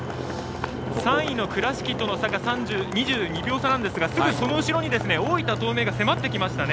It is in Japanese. ３位の倉敷との差が２２秒差なんですがそのすぐ後ろに大分東明が迫ってきましたね。